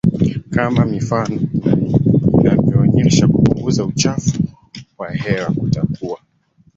kama mifano inavyoonyesha kupunguza uchafuzi wa hewa kutakuwa